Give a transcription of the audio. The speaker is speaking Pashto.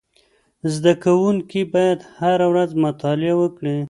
زده کوونکي باید هره ورځ مطالعه وکړي.